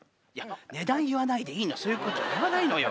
値段言わないでいいのそういうことを言わないのよ。